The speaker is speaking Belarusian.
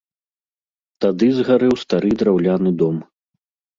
Тады згарэў стары драўляны дом.